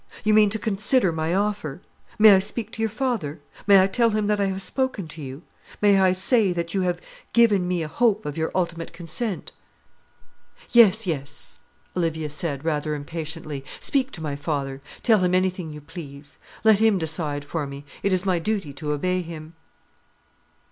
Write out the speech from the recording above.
you mean to consider my offer? May I speak to your father? may I tell him that I have spoken to you? may I say that you have given me a hope of your ultimate consent?" "Yes, yes," Olivia said, rather impatiently; "speak to my father; tell him anything you please. Let him decide for me; it is my duty to obey him."